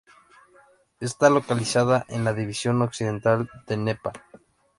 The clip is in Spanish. Está localizada en la división occidental de Nepal.